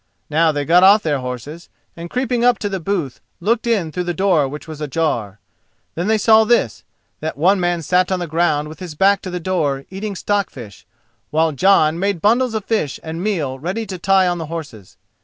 Now they got off their horses, and creeping up to the booth, looked in through the door which was ajar. And they saw this, that one man sat on the ground with his back to the door, eating stock fish, while Jon made bundles of fish and meal ready to tie on the horses.